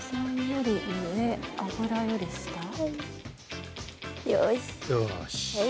よし。